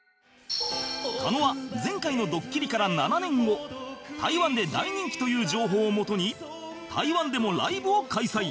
狩野は前回のドッキリから７年後台湾で大人気という情報をもとに台湾でもライブを開催